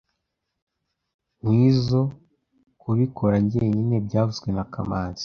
Nkwizoe kubikora njyenyine byavuzwe na kamanzi